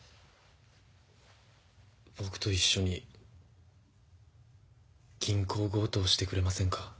僕と一緒に銀行強盗してくれませんか。